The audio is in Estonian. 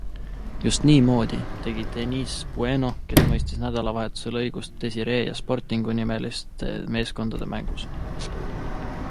Just niimoodi tegi Denise Bueno, kes mõistis nädalavahetusel õigust Desire ja Sportingu nimeliste meeskondade mängus.